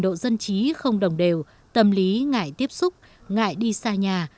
độ dân trí không đồng đều tâm lý ngại tiếp xúc ngại đi xa nhà